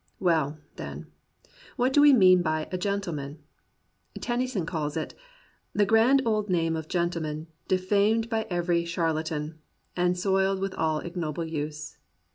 Well, then, what do we mean by "a gentleman.'*" Tennyson calls it The grand old name of gentleman Defamed by every charlatan. And soil'd with all ignoble use.